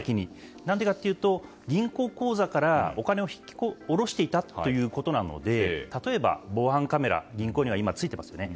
なぜかというと銀行口座からお金を下ろしていたということなので例えば防犯カメラが銀行には今、ついていますよね。